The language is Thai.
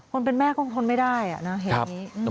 คนเป็นแม่ก็ทนไม่ได้นะเหตุนี้